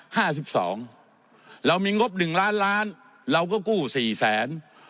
ห้าสิบสองเรามีงบหนึ่งล้านล้านเราก็กู้สี่แสน